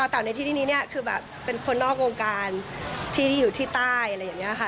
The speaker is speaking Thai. แต่ในที่ที่นี้เนี่ยคือแบบเป็นคนนอกวงการที่อยู่ที่ใต้อะไรอย่างนี้ค่ะ